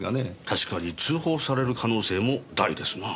確かに通報される可能性も大ですなあ。